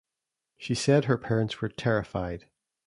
She said her parents were "terrified".